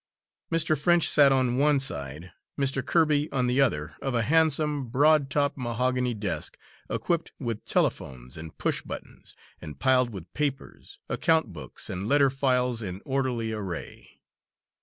Mr. French sat on one side, Mr. Kirby on the other, of a handsome, broad topped mahogany desk, equipped with telephones and push buttons, and piled with papers, account books and letter files in orderly array.